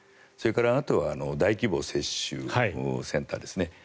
それから、あとは大規模接種センターですね。